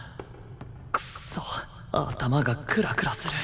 クソッ頭がクラクラする